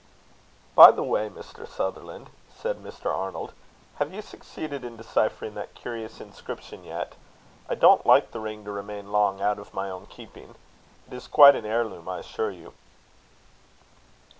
"By the way, Mr. Sutherland," said Mr. Arnold, "have you succeeded in deciphering that curious inscription yet? I don't like the ring to remain long out of my own keeping. It is quite an heirloom, I assure you."